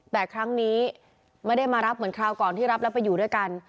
แต่ครั้งนี้ไม่ได้มารับเหมือนคราวก่อนที่รับแล้วไปอยู่ด้วยกัน